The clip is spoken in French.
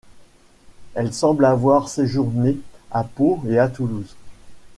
Elle semble avoir séjourné à Pau et à Toulouse.